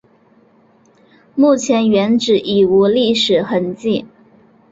目前原址已无历史痕迹。